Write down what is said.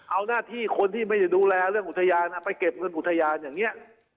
เอาหน้าที่คนที่ไม่ได้ดูแลเรื่องอุทยานไปเก็บเงินอุทยานอย่างนี้